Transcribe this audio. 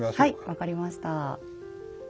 はい分かりました。